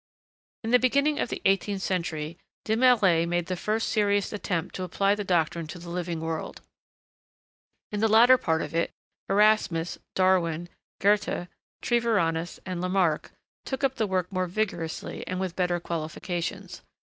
In the beginning of the eighteenth century, De Maillet made the first serious attempt to apply the doctrine to the living world. In the latter part of it, Erasmus Darwin, Goethe, Treviranus, and Lamarck took up the work more vigorously and with better qualifications.